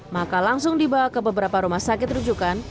maka langsung dibawa ke beberapa rumah sakit rujukan